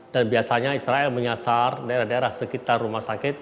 dan biasanya israel menyasar daerah daerah sekitar rumah sakit